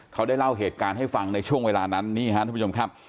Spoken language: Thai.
เขาได้เล่าเหตุการณ์ให้ฟังในช่วงเวลานั้นนี่ฮะทุกผู้ชมครับ